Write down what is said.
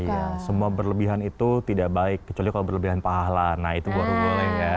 iya semua berlebihan itu tidak baik kecuali kalau berlebihan pahala nah itu baru boleh ya